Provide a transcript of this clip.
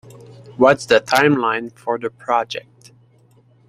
What's the timeline for the project?